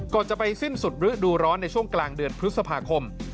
ก่อนจะไปสิ้นสุดฤดูร้อนในช่วงกลางเดือนพฤษภาคม